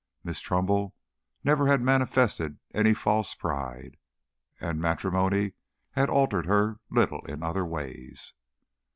Miss Trumbull never had manifested any false pride, and matrimony had altered her little in other ways.